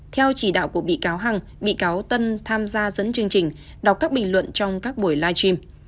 theo chỉ đạo của bị cáo hằng bị cáo tân tham gia dẫn chương trình đọc các bình luận trong các buổi live stream